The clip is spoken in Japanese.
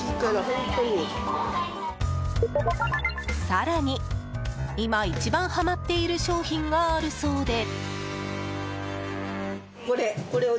更に、今一番はまっている商品があるそうで。